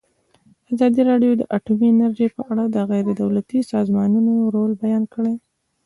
ازادي راډیو د اټومي انرژي په اړه د غیر دولتي سازمانونو رول بیان کړی.